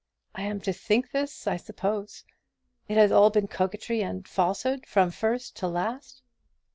I am to think this, I suppose. It has all been coquetry and falsehood, from first to last."